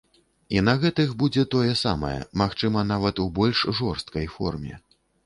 І на гэтых будзе тое самае, магчыма, нават у больш жорсткай форме.